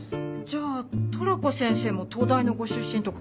じゃあトラコ先生も東大のご出身とか？